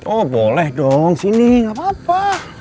oh boleh dong sini gak apa apa